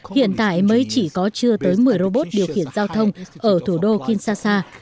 hiện tại mới chỉ có chưa tới một mươi robot điều khiển giao thông ở thủ đô kinshasa